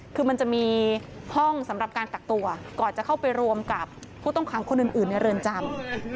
คือมันจะมีห้องสำหรับการกักตัวก่อนจะเข้าไปรวมกับผู้ต้องขังคนอื่นในเรือนจำ